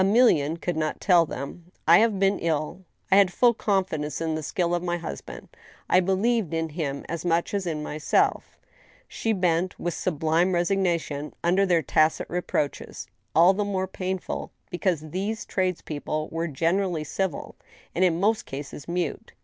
Emilienne could not tell them :'• I have been ill ; I had full confidence in the skill of my hus band ; I believed in him as much as in myself —" She bent, with sublime resignation, under their tacit reproaches, all the more painful because these trades people were generally civU and in most cases mute.